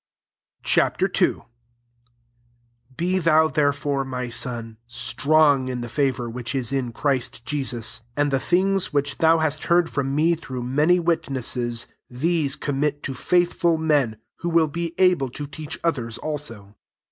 Ch. IL 1 Be tliou therefore, my son, strong in the favour which is in Christ Jesus. 2 And the thing's which thou hast heard from me through many witnesses, these commit to faith ful men, who will be able to teach others also.